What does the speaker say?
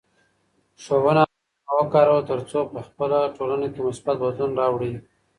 ښوونه او روزنه وکاروه ترڅو په خپله ټولنه کې مثبت بدلون راوړې.